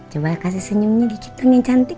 coba kasih senyumnya dikit kan yang cantik